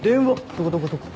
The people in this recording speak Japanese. どこどこどこ？